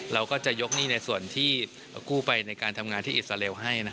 เราก็จะยกหนี้ในส่วนที่กู้ไปในการทำงานที่อิสราเอลให้